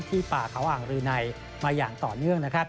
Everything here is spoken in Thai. ป่าเขาอ่างรืนัยมาอย่างต่อเนื่องนะครับ